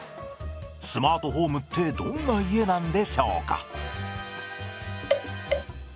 スマートホームってどんな家なんでしょうか？